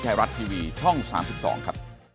ไทยรัฐทีวีช่องสามสิบดองครับ